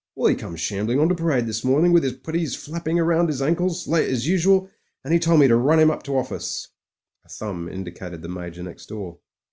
Well 'e come shambling on to parade this morning with 'is puttees flapping round his ankles — ^late as usual; and *e told me to nm 'im up to office." A thtunb indicated the Major next door.